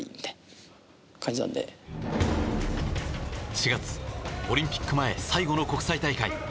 ４月、オリンピック前最後の国際大会。